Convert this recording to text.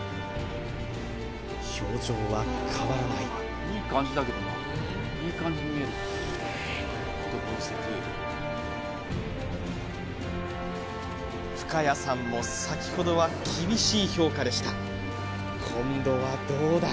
表情は変わらない深谷さんも先ほどは厳しい評価でした今度はどうだ？